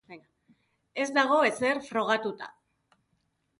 Ez dago ezer frogatuta.